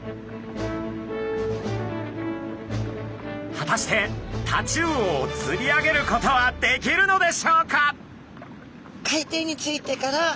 果たしてタチウオを釣り上げることはできるのでしょうか？